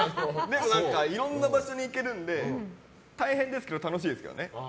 いろんな場所に行けるので大変ですけど楽しいです。